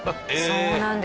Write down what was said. そうなんです。